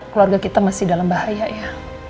keluarga kita masih dalam bahaya ya